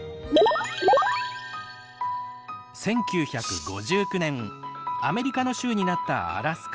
１９５９年アメリカの州になったアラスカ。